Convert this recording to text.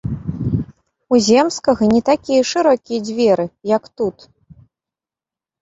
У земскага не такія шырокія дзверы, як тут.